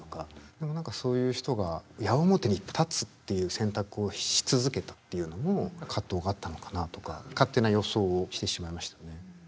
でも何かそういう人が矢面に立つっていう選択をし続けたっていうのも葛藤があったのかなとか勝手な予想をしてしまいましたね。